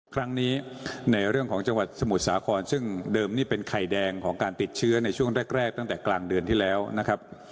ครั้งนี้ในเรื่องของจังหวัดสมุทรสาครซึ่งเดิมนี่เป็นไข่แดงของการติดเชื้อในช่วงแรกตั้งแต่กลางเดือนที่แล้วนะครับ